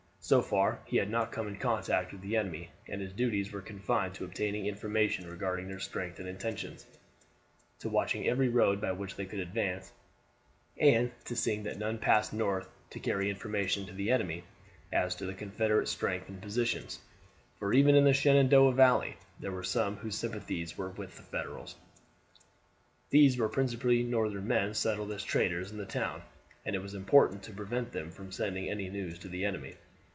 So far he had not come in contact with the enemy, and his duties were confined to obtaining information regarding their strength and intentions, to watching every road by which they could advance, and to seeing that none passed north to carry information to the enemy as to the Confederate strength and positions, for even in the Shenandoah Valley there were some whose sympathies were with the Federals. These were principally Northern men settled as traders in the towns, and it was important to prevent them from sending any news to the enemy.